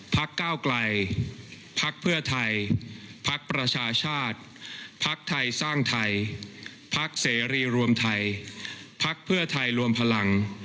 ก้าวไกลพักเพื่อไทยพักประชาชาติพักไทยสร้างไทยพักเสรีรวมไทยพักเพื่อไทยรวมพลัง